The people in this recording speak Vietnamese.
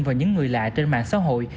vào những người lạ trên mạng xã hội